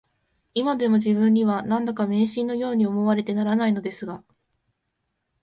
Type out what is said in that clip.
いまでも自分には、何だか迷信のように思われてならないのですが